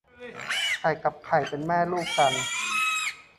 ไก่กับไข่เป็นแม่ลูกกัน